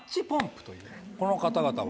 この方々は。